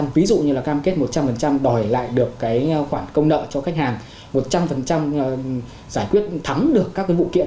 ví dụ như là cam kết một trăm linh đòi lại được khoản công nợ cho khách hàng một trăm linh giải quyết thắm được các vụ kiện